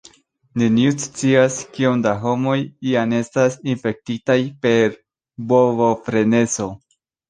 Neniu scias, kiom da homoj jam estas infektitaj per bovofrenezo.